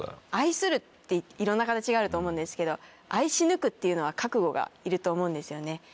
「愛する」っていろんな形があると思うんですけど「愛し抜く」っていうのは覚悟がいると思うんですよね。